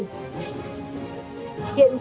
có khi chỉ nguồn tin